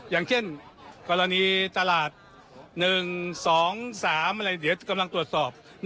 อย่างเช่นกรณีตลาด๑๒๓อะไรเดี๋ยวกำลังตรวจสอบ